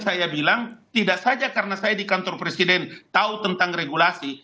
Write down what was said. saya bilang tidak saja karena saya di kantor presiden tahu tentang regulasi